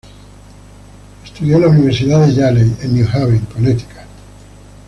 Estudió en la Universidad de Yale, en New Haven, Connecticut.